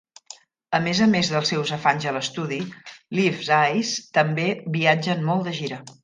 A més a més dels seus afanys a l"estudi, Leaves' Eyes també viatgen molt de gira.